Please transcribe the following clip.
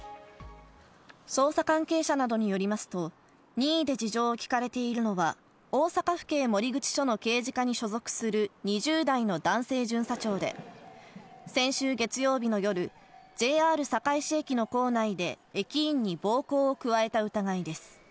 捜査関係者などによりますと、任意で事情を聞かれているのは、大阪府警守口署の刑事課に所属する２０代の男性巡査長で先週月曜日の夜、ＪＲ堺市駅の構内で駅員に暴行を加えた疑いです。